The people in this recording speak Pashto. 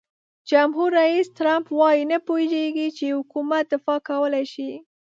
جمهور رئیس ټرمپ وایي نه پوهیږي چې حکومت دفاع کولای شي.